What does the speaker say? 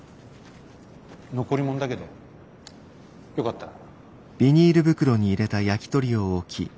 残り物だけどよかったら。